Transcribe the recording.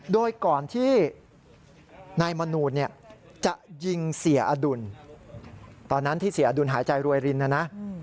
โดยก่อนที่นายมนูลเนี่ยจะยิงเสียอดุลตอนนั้นที่เสียอดุลหายใจรวยรินนะนะ